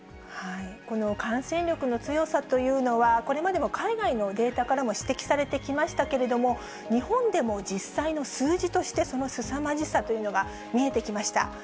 この感染力の強さというのはこれまでも海外のデータからも指摘されてきましたけれども、日本でも実際の数字として、そのすさまじさというのが見えてきました。